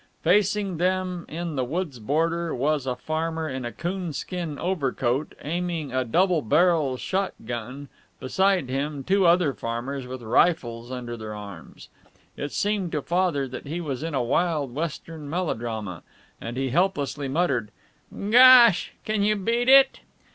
Facing them, in the woods border, was a farmer in a coon skin overcoat, aiming a double barreled shot gun, beside him two other farmers with rifles under their arms. It seemed to Father that he was in a wild Western melodrama, and he helplessly muttered, "Gosh! Can you beat it?"